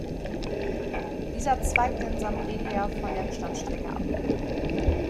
Dieser zweigte in Samtredia von der Bestandsstrecke ab.